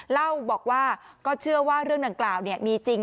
เล่าบอกว่าก็เชื่อว่าเรื่องดังกล่าวมีจริง